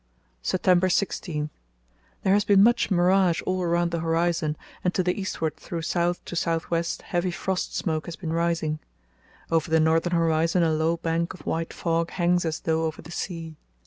"September 16.—There has been much mirage all around the horizon, and to the eastward through south to south west heavy frost smoke has been rising. Over the northern horizon a low bank of white fog hangs as though over the sea.